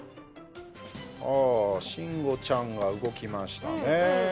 慎吾ちゃんが動きましたね。